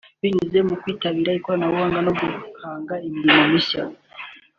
binyuze mu kwitabira ikoranabuhanga no guhanga imirimo mishya